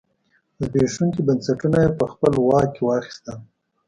زبېښونکي بنسټونه یې په خپل واک کې واخیستل.